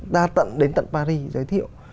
đã tận đến tận paris giới thiệu